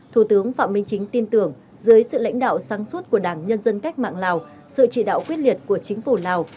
thủ tướng phạm minh chính tin tưởng dưới sự lãnh đạo sáng suốt của đảng nhân dân cách mạng lào sự chỉ đạo quyết liệt của chính phủ lào